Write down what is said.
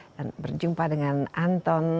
dan berjumpa dengan anton